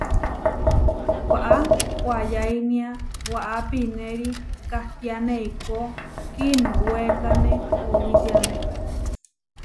Waʼá koayáinia waʼá pinéri kahtiáne eikó, kiinuwékane owitiáme.